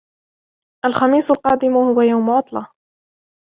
الخميس القادم هو يوم عطلة.